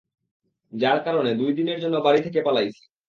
যার কারণে দুই দিনের জন্য বাড়ি থেকে পালাইছি।